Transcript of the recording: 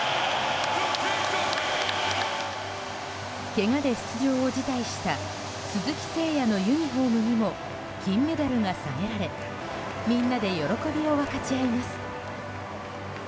けがで出場を辞退した鈴木誠也のユニホームにも金メダルが下げられみんなで喜びを分かち合います。